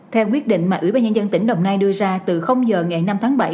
theo quyết định mà ủy ban nhân dân tỉnh đồng nai đưa ra từ giờ ngày năm tháng bảy